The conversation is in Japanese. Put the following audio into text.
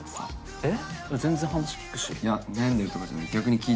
えっ？